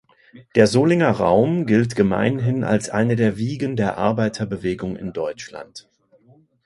Der Solinger Raum gilt gemeinhin als eine der Wiegen der Arbeiterbewegung in Deutschland.